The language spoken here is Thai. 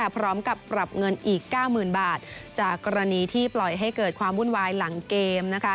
พร้อมกับปรับเงินอีก๙๐๐๐บาทจากกรณีที่ปล่อยให้เกิดความวุ่นวายหลังเกม